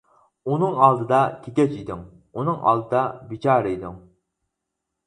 ئۇنىڭ ئالدىدا كېكەچ ئىدىڭ، ئۇنىڭ ئالدىدا بىچارە ئىدىڭ.